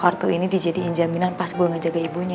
kalo kartu ini dijadiin jaminan pas gue ngejaga ibunya